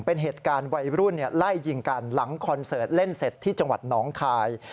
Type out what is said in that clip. เป็นเหตุการณ์วัยรุ่นไล่ยิงกันหลังคอนเสิร์ตเล่นเสร็จที่จังหวัดหนองคาย